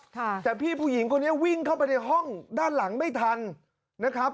แต่พี่ผู้หญิงคนนี้วิ่งเข้าไปในห้องด้านหลังไม่ทันนะครับ